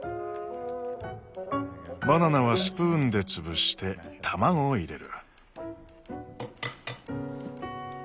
バナナはスプーンで潰して卵を入れる。